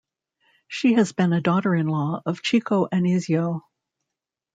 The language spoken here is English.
She has been a daughter-in-law of Chico Anysio.